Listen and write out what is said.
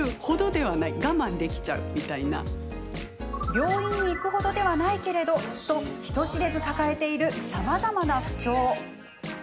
病院に行く程ではないけれどと人知れず抱えているさまざまな不調。